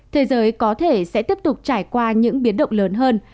thế giới có thể sẽ tiếp tục trải qua những biến động lớn hơn